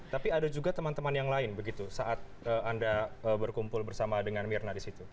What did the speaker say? tapi ada juga teman teman yang lain begitu saat anda berkumpul bersama dengan mirna di situ